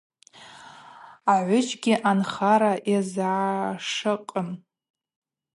Агӏвыджьгьи анхара йазгӏашыкъын.